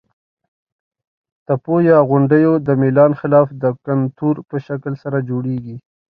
تپو یا غونډیو د میلان خلاف د کنتور په شکل سره جوړیږي.